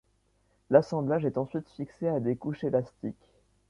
L'assemblage est ensuite fixé à des couches élastiques.